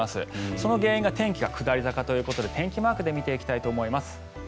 その原因が天気が下り坂ということで天気マークで見ていきたいと思います。